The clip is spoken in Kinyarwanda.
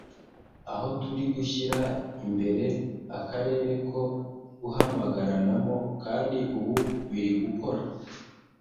aho turi gushyira imbere akarere ko guhamagaranamo kandi ubu biri gukora